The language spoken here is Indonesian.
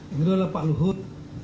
itu adalah pak luhut